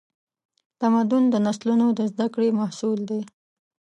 تمدن د نسلونو د زدهکړې محصول دی.